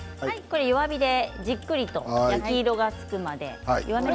弱火でじっくりと焼き色がつくまで。